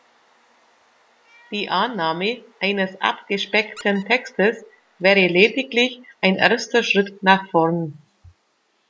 Die Annahme eines abgespeckten Textes wäre lediglich ein erster Schritt nach vorn.